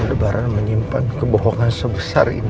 ada barang menyimpan kebohongan sebesar ini